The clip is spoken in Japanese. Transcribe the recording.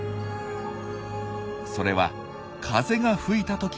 それは風が吹いた時の秘策。